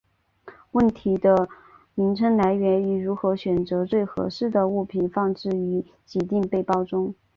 问题的名称来源于如何选择最合适的物品放置于给定背包中。